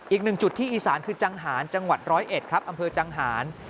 อีกหนึ่งจุดที่อีสานคือจังหารจังหวัด๑๐๑ครับอำเภอจังหาร